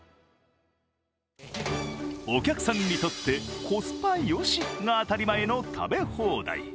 お客さんにとってコスパよしが当たり前の食べ放題。